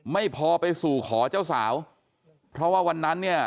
ไม่พอไปสู่ขอเจ้าสาวเพราะว่าวันนั้นเนี่ย